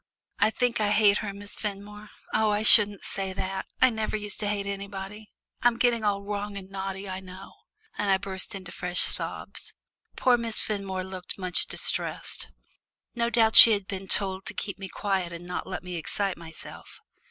I think I hate her, Miss Fenmore. Oh, I shouldn't say that I never used to hate anybody. I'm getting all wrong and naughty, I know," and I burst into fresh sobs. Poor Miss Fenmore looked much distressed. No doubt she had been told to keep me quiet and not let me excite myself.